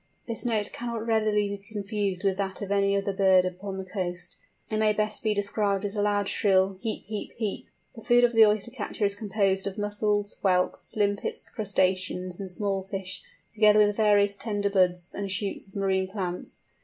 This note cannot readily be confused with that of any other bird upon the coast. It may best be described as a loud shrill heep heep heep. The food of the Oyster catcher is composed of mussels, whelks, limpets, crustaceans, and small fish, together with various tender buds and shoots of marine plants.